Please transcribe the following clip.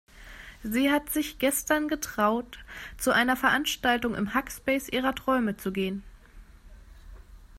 Sie hat sich gestern getraut, zu einer Veranstaltung im Hackspace ihrer Träume zu gehen.